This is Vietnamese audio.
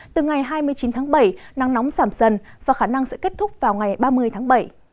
từ ngày hai mươi chín tháng bảy nắng nóng giảm dần và khả năng sẽ kết thúc vào ngày ba mươi tháng bảy